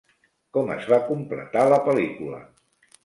Com es va completar la pel·lícula?